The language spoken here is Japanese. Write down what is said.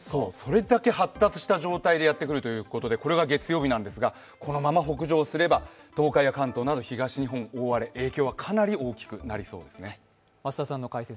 それだけ発達した状態でやってくるということでこれが月曜日なんですがこのまま北上すれば東海や関東など東日本は大荒れ、影響はかなり多くなりそうですね。